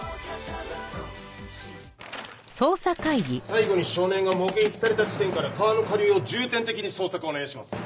最後に少年が目撃された地点から川の下流を重点的に捜索お願いします。